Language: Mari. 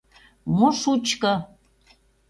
Мо шучко!